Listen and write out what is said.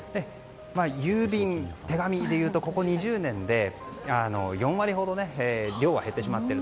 郵便、手紙でいうとこの２０年で４割ほど量は減ってしまっている。